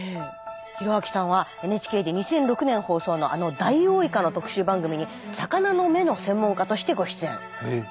弘明さんはＮＨＫで２００６年放送のあのダイオウイカの特集番組に魚の目の専門家としてご出演。